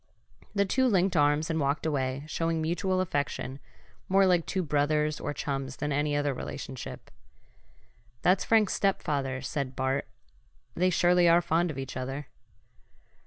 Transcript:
The two linked arms and walked away, showing mutual affection more like two brothers or chums than any other relationship. "That's Frank's stepfather," said Bart. "They surely are fond of each other."